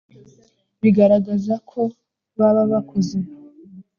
bigaragaza ko baba bakuze